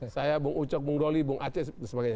saya bung ucok bung doli bung aceh dan sebagainya